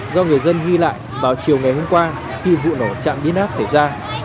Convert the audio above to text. do người dân ghi lại vào chiều ngày hôm qua khi vụ nổ trạm biến áp xảy ra